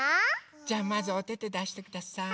じゃまずおててだしてください。